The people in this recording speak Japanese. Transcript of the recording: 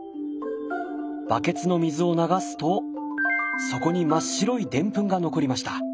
バケツの水を流すと底に真っ白いデンプンが残りました。